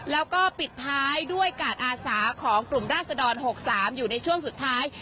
แล้วก็ปิดท้ายด้วยการอาสาของกลุ่มราศดร๖๓อยู่ในช่วงสุดท้าย